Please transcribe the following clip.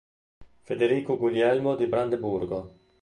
Federico Guglielmo di Brandeburgo